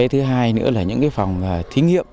thứ hai nữa là những phòng thí nghiệm